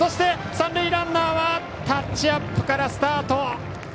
三塁ランナーはタッチアップからスタート。